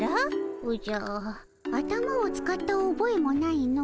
おじゃ頭を使ったおぼえもないの。